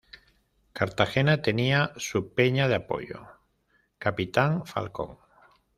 Cartagena, tenía su peña de apoyo "Capitán Falcón".